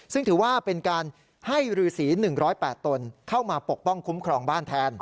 ซึ่งถือว่าเป็นการให้รือสี๑๐๘ตนเข้ามาปกป้องคุ้มครองบ้านแทน